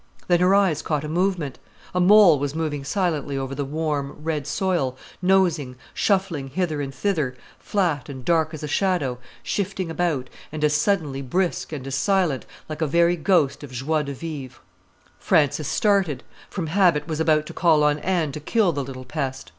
Then her eyes caught a movement. A mole was moving silently over the warm, red soil, nosing, shuffling hither and thither, flat, and dark as a shadow, shifting about, and as suddenly brisk, and as silent, like a very ghost of joie de vivre. Frances started, from habit was about to call on Anne to kill the little pest.